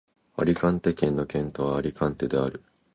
アリカンテ県の県都はアリカンテである